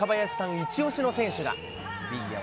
一押しの選手が。